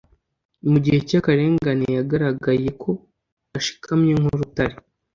mu gihe cy'akarengane yagaragaye ko ashikamye nk'urutare,